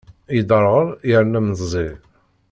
Yedderɣel yerna meẓẓi.